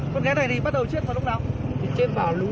con gái này thì bắt đầu chết vào lúc nào